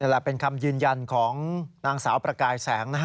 นั่นแหละเป็นคำยืนยันของนางสาวประกายแสง